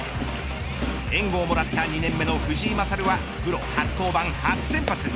援護をもらった２年目の藤井聖はプロ初登板初先発。